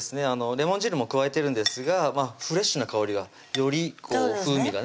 レモン汁も加えてるんですがフレッシュな香りがより風味がね出ておいしいと思います